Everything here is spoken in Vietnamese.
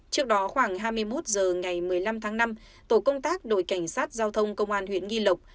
trước đó khoảng hai mươi một h ngày một mươi năm tháng năm tổ công tác đội cảnh sát giao thông công an huyện nghi lộc